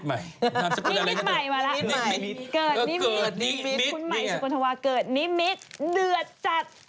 คุณหมายสุขนทวาเกิดนิมิตเดือดจัด